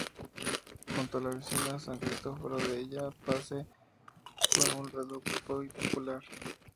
Junto a la vecina "San Cristoforo della Pace", fue un reducto muy popular.